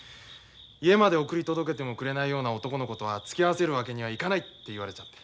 家まで送り届けてもくれないような男の子とはつきあわせるわけにはいかないって言われちゃって。